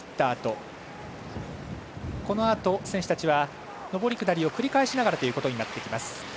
あと選手たちは上り下りを繰り返しながらとなっていきます。